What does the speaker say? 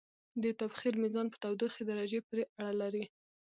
د تبخیر میزان په تودوخې درجې پورې اړه لري.